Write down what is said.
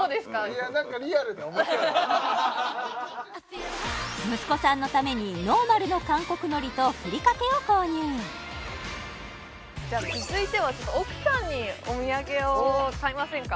いやなんかリアルでおもしろい息子さんのためにノーマルの韓国海苔とふりかけを購入じゃあ続いてはちょっと奥さんにお土産を買いませんか？